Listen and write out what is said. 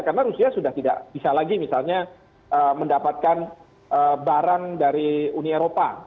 karena rusia sudah tidak bisa lagi misalnya mendapatkan barang dari uni eropa